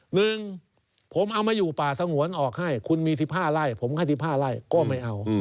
หนึ่งผมเอามาอยู่ป่าสงวนออกให้คุณมี๑๕ไร่ผมให้๑๕ไร่ก็ไม่เอา